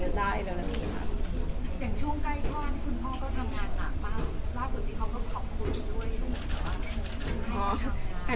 อย่างช่วงใกล้ท่อนคุณพ่อก็ทำงานหนักมากล่าส่วนที่เขาก็ขอบคุณด้วย